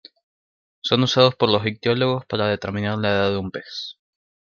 Son usados por los ictiólogos para determinar la edad de un pez.